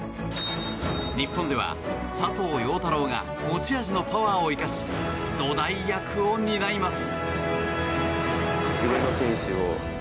日本では佐藤陽太郎が持ち味のパワーを生かし土台役を担います。